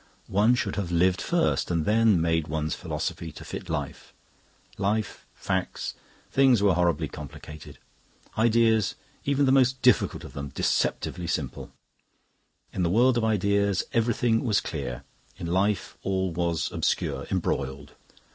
One should have lived first and then made one's philosophy to fit life...Life, facts, things were horribly complicated; ideas, even the most difficult of them, deceptively simple. In the world of ideas everything was clear; in life all was obscure, embroiled.